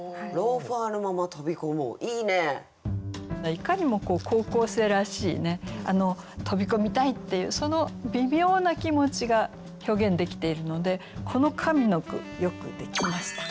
いかにも高校生らしいね「飛び込みたい！」っていうその微妙な気持ちが表現できているのでこの上の句「よくできました」ですね。